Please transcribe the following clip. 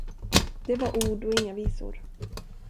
Det var ord och inga visor.